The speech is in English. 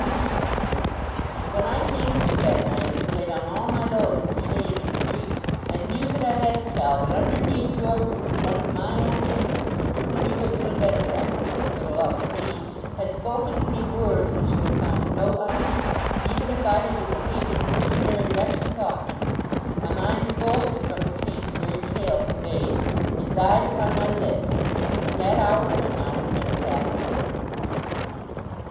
she returned. 'And when I came to you, that night, to lay down all my load of shame and grief, and knew that I had to tell that, underneath your roof, one of my own kindred, to whom you had been a benefactor, for the love of me, had spoken to me words that should have found no utterance, even if I had been the weak and mercenary wretch he thought me my mind revolted from the taint the very tale conveyed. It died upon my lips, and from that hour till now has never passed them.